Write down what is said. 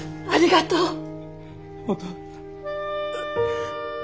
ありがとう。